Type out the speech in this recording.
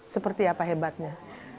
seperti apa hebatnya